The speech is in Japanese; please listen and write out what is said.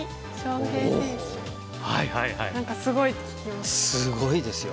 すごいですよ。